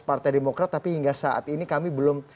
partai demokrat tapi hingga saat ini kami belum